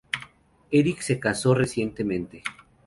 Eric se casó recientemente.